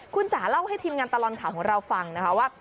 คุณจ๋าเล่าให้ทีมงานตลอดข่าวของเราฟังนะคะว่า